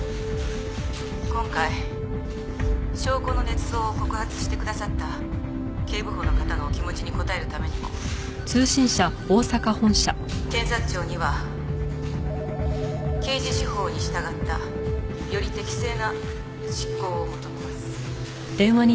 「今回証拠の捏造を告発してくださった警部補の方のお気持ちに応えるためにも検察庁には刑事司法に従ったより適正な執行を求めます」